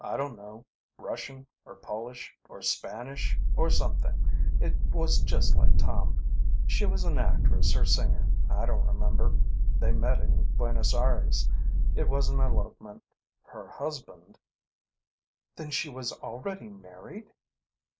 "I don't know. Russian, or Polish, or Spanish, or something. It was just like Tom. She was an actress or singer I don't remember. They met in Buenos Ayres. It was an elopement. Her husband " "Then she was already married!"